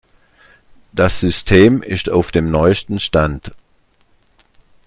Das System ist auf dem neuesten Stand.